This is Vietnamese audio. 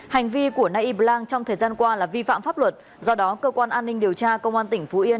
hành vi của nay yi blang trong thời gian qua là vi phạm pháp luật do đó cơ quan an ninh điều tra công an tỉnh phú yên